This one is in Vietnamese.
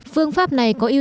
phương pháp này có ý kiến